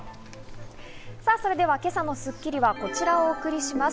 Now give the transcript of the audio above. さぁ、それでは今朝の『スッキリ』はこちらお送りします。